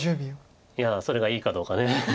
いやそれがいいかどうか。